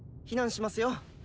避難しますよ。